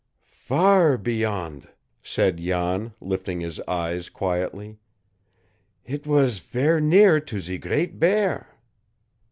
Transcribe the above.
"Far beyond," said Jan, lifting his eyes quietly. "It was ver' near to ze Great Bear."